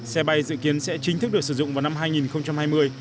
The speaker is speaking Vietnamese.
xe bay dự kiến sẽ chính thức được sử dụng vào năm hai nghìn hai mươi